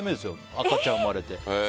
赤ちゃんが生まれて。